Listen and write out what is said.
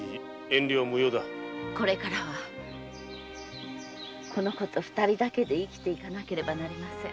これからはこの子と二人だけで生きてゆかなければなりません。